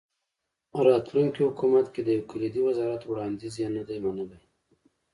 راتلونکي حکومت کې د یو کلیدي وزارت وړاندیز یې نه دی منلی.